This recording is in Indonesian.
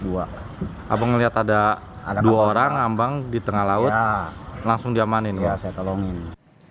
saya melihat ada dua orang di tengah laut saya langsung menolong mereka